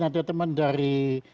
ada teman dari